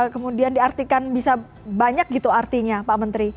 kemudian diartikan bisa banyak gitu artinya pak menteri